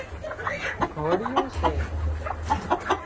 گروۯيئيون سي